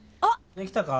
できたか？